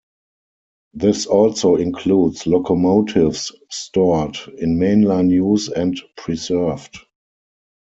This also includes locomotives stored, in mainline use and preserved.